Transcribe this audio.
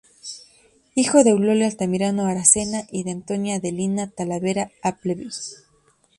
Hijo de Eulogio Altamirano Aracena y de Antonia Adelina Talavera Appleby.